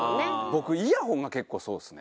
僕イヤホンが結構そうですね。